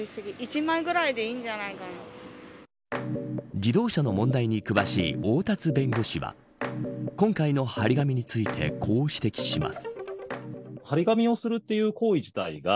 自動車の問題に詳しい大達弁護士は今回の貼り紙についてこう指摘します。